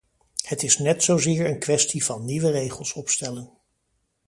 Het is net zozeer een kwestie van nieuwe regels opstellen.